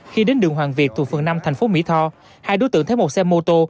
khi đến đường hoàng việt thuộc phường năm thành phố mỹ tho hai đối tượng thấy một xe mô tô